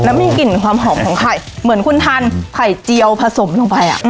แล้วมีกลิ่นความหอมของไข่เหมือนคุณทานไข่เจียวผสมลงไป